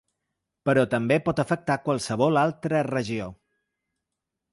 Però també pot afectar qualsevol altra regió.